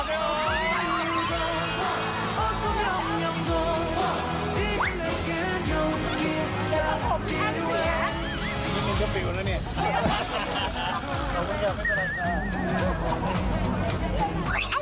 เจ้าแจ๊กริมเจ้า